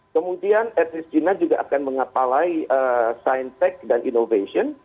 kemudian etnis china juga akan mengapalai scientech dan innovation